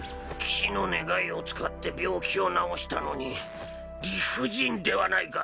騎士の願いを使って病気を治したのに理不尽ではないか！